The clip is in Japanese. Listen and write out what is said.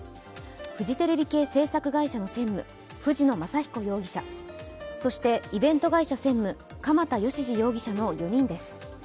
フジテレビ系制作会社の専務、藤野昌彦容疑者、そしてイベント会社専務、鎌田義次容疑者の４人です。